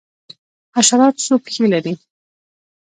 حشرات څو پښې لري؟